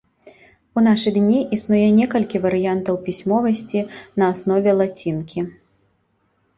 У нашы дні існуе некалькі варыянтаў пісьмовасці на аснове лацінкі.